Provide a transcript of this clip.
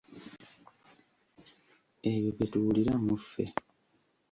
Ebyo bye tuwulira mu ffe.